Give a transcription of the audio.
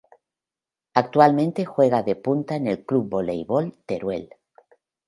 Actualmente juega de punta en el Club Voleibol Teruel.